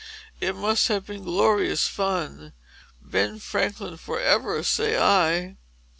"It must have been glorious fun. Ben Franklin for ever, say I!"